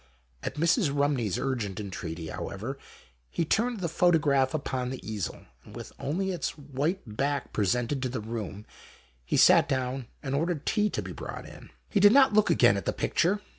At Mrs. Rumney's urgent entreaty, however, he turned the photo graph upon the easel, and with only its white back presented to the room, he sat down and ordered tea to be brought in. He did not look again at the picture.